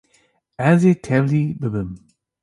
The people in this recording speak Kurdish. Ez ê tevlî bibim.